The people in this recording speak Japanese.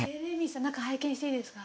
中拝見していいですか？